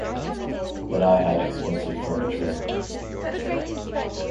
But I had expensive furniture.